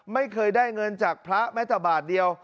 ไม่เคยได้เงินจากพระแม้แต่บาทเดียว